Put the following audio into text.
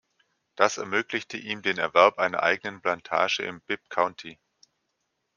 Das ermöglichte ihm den Erwerb einer eigenen Plantage im Bibb County.